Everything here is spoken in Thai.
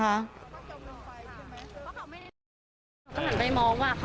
ผู้ใหญ่บ้านก็อยู่เทาลิมแม่น้ำตรงนี้นะคะ